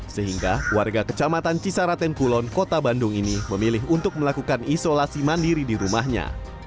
sehingga warga kecamatan cisaraten kulon kota bandung ini memilih untuk melakukan isolasi mandiri di rumahnya